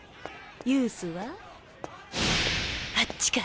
ユースはあっちか！